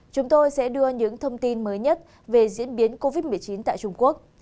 chúng tôi sẽ đưa những thông tin mới nhất về diễn biến covid một mươi chín tại trung quốc